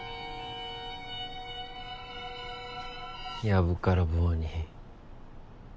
・やぶから棒に。